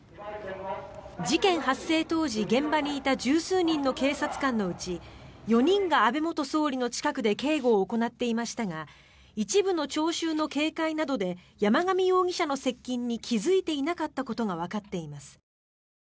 事件発生当時、現場にいた１０数人の警察官のうち４人が安倍元総理の近くで警護を行っていましたが一部の聴衆の警戒などで山上容疑者の接近に気付いていなかったことがわかっています。